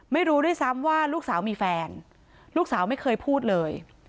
ไม่รู้ด้วยซ้ำว่าลูกสาวมีแฟนลูกสาวไม่เคยพูดเลย